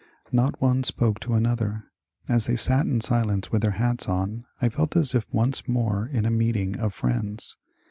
Not one spoke to another. As they sat in silence with their hats on I felt as if once more in a meeting of Friends.